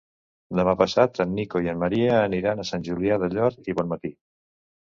Demà passat en Nico i en Maria aniran a Sant Julià del Llor i Bonmatí.